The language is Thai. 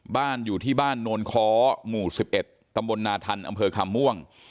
บ้านอยู่ที่บ้านโนนคอหมู่สิบเอ็ดตำบนหนาฒรรษ์อำเภอคำม่วง